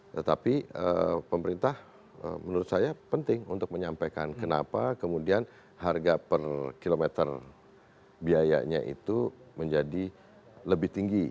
tetapi pemerintah menurut saya penting untuk menyampaikan kenapa kemudian harga per kilometer biayanya itu menjadi lebih tinggi